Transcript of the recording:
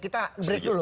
kita break dulu